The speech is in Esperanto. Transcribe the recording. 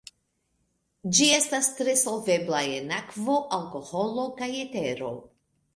Ĝi estas tre solvebla en akvo, alkoholo kaj etero.